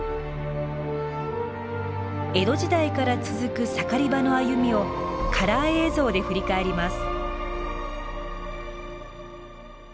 江戸時代から続く盛り場の歩みをカラー映像で振り返ります。